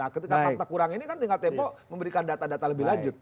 nah ketika fakta kurang ini kan tinggal tempo memberikan data data lebih lanjut